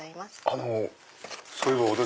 あのそういえば私。